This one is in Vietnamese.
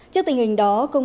trước tình hình đó công an